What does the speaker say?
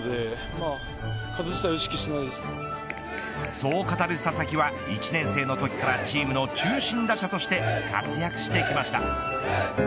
そう語る佐々木は１年生のときからチームの中心打者として活躍してきました。